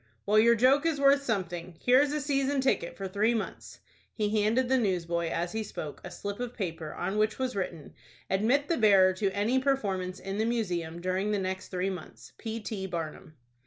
"Well, your joke is worth something. Here is a season ticket for three months." He handed the newsboy, as he spoke, a slip of paper on which was written:— "Admit the bearer to any performance in the Museum during the next three months. P. T. BARNUM."